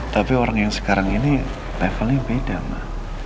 tapi orang yang sekarang ini levelnya beda lah